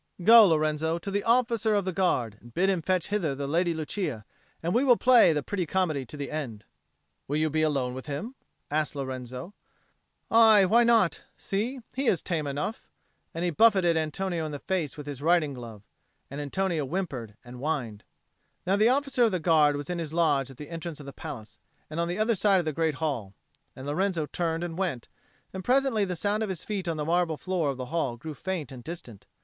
Go, Lorenzo, to the officer of the Guard and bid him fetch hither the Lady Lucia, and we will play the pretty comedy to the end." "Will you be alone with him?" asked Lorenzo. "Aye; why not? See! he is tame enough," and he buffeted Antonio in the face with his riding glove. And Antonio whimpered and whined. Now the officer of the Guard was in his lodge at the entrance of the palace, on the other side of the great hall; and Lorenzo turned and went, and presently the sound of his feet on the marble floor of the hall grew faint and distant.